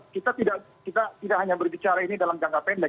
kita tidak hanya berbicara ini dalam jangka pendek